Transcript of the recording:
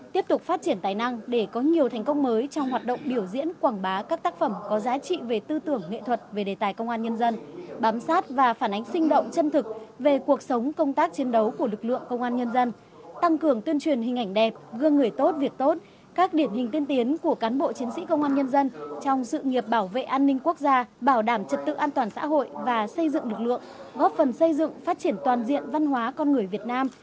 tiếp tục phát triển tài năng để có nhiều thành công mới trong hoạt động biểu diễn quảng bá các tác phẩm có giá trị về tư tưởng nghệ thuật về đề tài công an nhân dân bám sát và phản ánh sinh động chân thực về cuộc sống công tác chiến đấu của lực lượng công an nhân dân tăng cường tuyên truyền hình ảnh đẹp gương người tốt việc tốt các điển hình tiên tiến của cán bộ chiến sĩ công an nhân dân trong sự nghiệp bảo vệ an ninh quốc gia bảo đảm trật tự an toàn xã hội và xây dựng lực lượng góp phần xây dựng phát triển toàn diện văn hóa con người việt nam